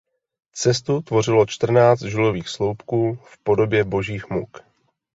Cestu tvořilo čtrnáct žulových sloupků v podobě Božích muk.